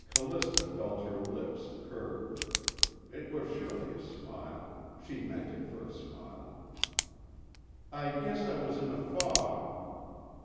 Callista felt her lips curve. It was surely a smile; she meant it for a smile. "I guess I was in a fog."